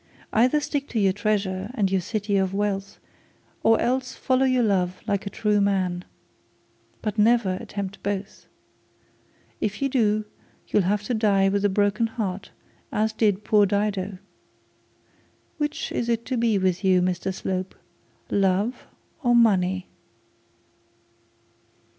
Either stick to your treasure and your city of wealth, or else follow your love like a true man. But never attempt both. If you do, you'll have to die with a broken heart as did poor Dido. Which is it to be with you, Mr Slope, love or money?'